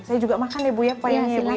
saya juga makan deh ibu ya pepaya ini ya ibu ya